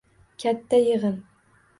Katta yig‘in.